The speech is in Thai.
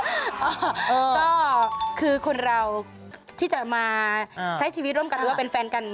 ก็คือคนเราที่จะมาใช้ชีวิตร่วมกันหรือว่าเป็นแฟนกัน